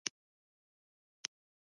مصنوعي ځیرکتیا د عقل حدونه ښيي.